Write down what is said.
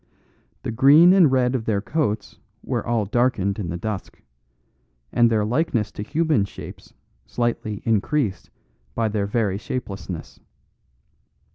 The green and red of their coats were all darkened in the dusk; and their likeness to human shapes slightly increased by their very shapelessness.